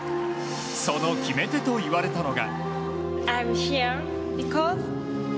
その決め手と言われたのが。